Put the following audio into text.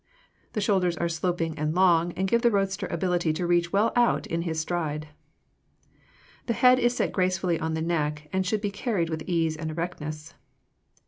The shoulders are sloping and long and give the roadster ability to reach well out in his stride. The head is set gracefully on the neck and should be carried with ease and erectness.